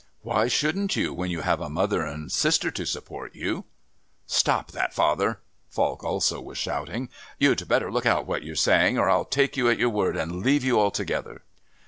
Why shouldn't you, when you have a mother and sister to support you?" "Stop that, father." Falk also was shouting. "You'd better look out what you're saying, or I'll take you at your word and leave you altogether."